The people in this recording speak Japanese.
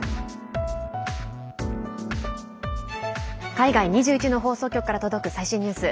海外２１の放送局から届く最新ニュース。